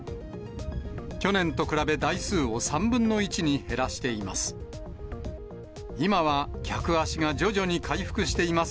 去年と比べ台数を３分の１に減らしています。